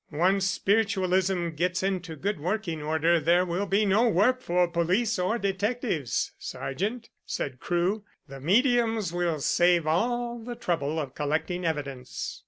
"Once spiritualism gets into good working order there will be no work for police or detectives, sergeant," said Crewe. "The mediums will save all the trouble of collecting evidence."